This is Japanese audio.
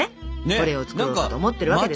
これを作ろうと思ってるわけですよ。